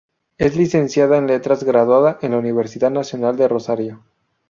Es Licenciada en Letras, graduada en la Universidad Nacional de Rosario.